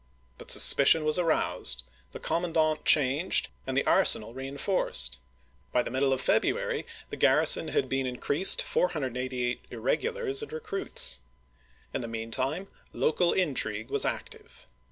But suspicion was aroused, the commandant changed, and the arsenal reen forced ; by the middle of February the garrison had been increased to 488 regulars and recruits. In the mean time local intrigue was active.